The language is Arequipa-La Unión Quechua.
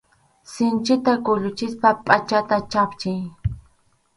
Sinchita kuyuchispa pʼachata chhapchiy.